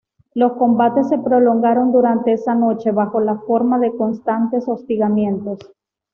Los combates se prolongaron durante esa noche, bajo la forma de constantes hostigamientos.